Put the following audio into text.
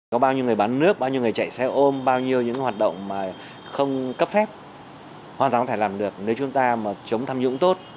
có bao nhiêu người bán nước bao nhiêu người chạy xe ôm bao nhiêu những hoạt động mà không cấp phép hoàn toàn có thể làm được nếu chúng ta mà chống tham dũng tốt